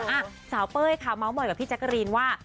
อ่ะสาวเป้ยค่ะมาบ่อยกับพี่แจ็คเกอรีนว่า